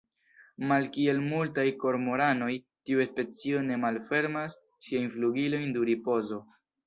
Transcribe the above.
Malkiel multaj kormoranoj, tiu specio ne malfermas siajn flugilojn dum ripozo.